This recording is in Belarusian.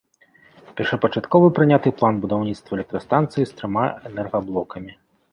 Першапачаткова прыняты план будаўніцтва электрастанцыі з трыма энергаблокамі.